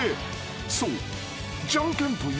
［そう］